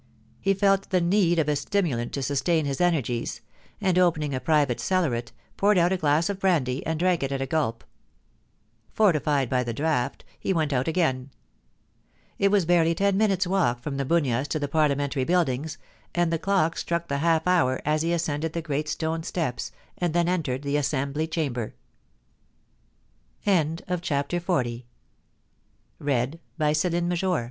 He felt the need of a stimulant to sustain his energies, and opening a private cellaret, poured out a glass of brandy, and drank it at a gulp. Fortified by the draught, he went 1 THE ORDEAL. 399 out again. It was barely ten minutes' walk from The Bunyas to the Parliamentaty Buildings, and the clock struck the half hour as he ascended the great stone steps, and then entered the